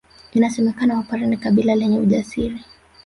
Inasemekana Wapare ni kabila lenye ujasiri